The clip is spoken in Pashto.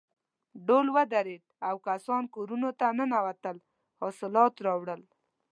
ډول ودرېد او کسان کورونو ته ننوتل حاصلات راوړل.